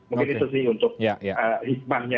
mungkin itu sih untuk hikmahnya